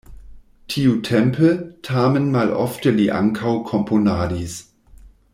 Tiutempe, tamen malofte li ankaŭ komponadis.